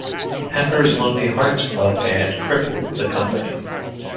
Pepper's Lonely Hearts Club Band crippled the company.